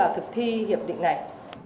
khi thi hiệp định này